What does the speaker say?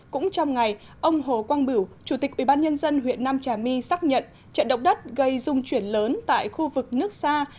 cũng trong ngày ông hồ quang biểu chủ tịch ubnd huyện nam trà my xác nhận trận động đất gây dung chuyển lớn tại khu vực nước xa